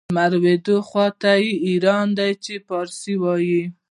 د لمر لوېدو خواته یې ایران دی چې پارسي وايي.